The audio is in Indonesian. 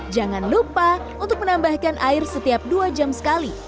jangan lupa untuk menambahkan air setiap dua jam sekali